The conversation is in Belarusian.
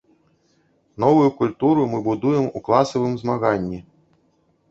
Новую культуру мы будуем у класавым змаганні.